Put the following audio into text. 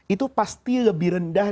itu pasti lebih rendah